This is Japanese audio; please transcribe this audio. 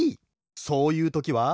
そういうときは。